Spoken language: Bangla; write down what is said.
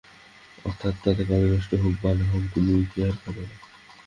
অর্থাৎ তাতে কাজ নষ্ট হোক বা না হোক, তুমি কেয়ার কর না।